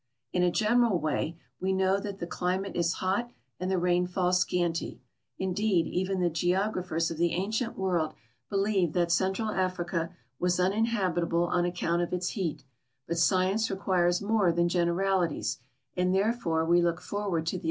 In a general way we know that that climate is hot and the rainfall scanty; indeed, even the geogra ])hers of the ancient world believed that Central Africa was unin habitable on account of its heat ; but science requires more than generalities, and therefore we look forward to the e.